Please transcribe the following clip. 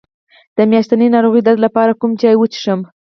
د میاشتنۍ ناروغۍ درد لپاره کوم چای وڅښم؟